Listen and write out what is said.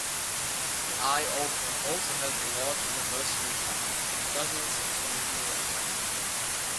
"The Eyeopener" also held a large anniversary party; dozens of alumni attended.